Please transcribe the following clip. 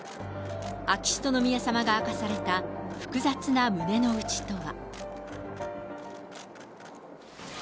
秋篠宮さまが明かされた複雑な胸の内とは。